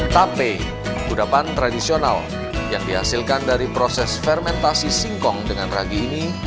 tape kudapan tradisional yang dihasilkan dari proses fermentasi singkong dengan ragi ini